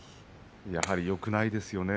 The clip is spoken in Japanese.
やはりよくないですよね